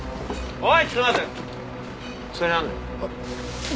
おい。